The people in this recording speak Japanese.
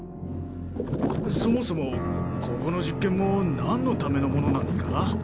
そもそもここの実験もなんのためのものなんすか？